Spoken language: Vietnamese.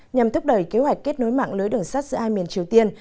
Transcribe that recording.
nhằm thúc đẩy kế hoạch kết nối mạng lưới đường sắt giữa hai miền triều tiên